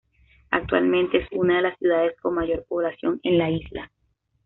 Actualmente es una de las ciudades con mayor población en la isla.